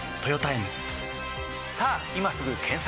さぁ今すぐ検索！